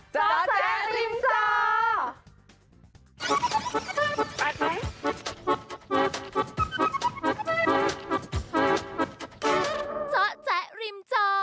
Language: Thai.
เจ้าแจ๊กริมเจาว์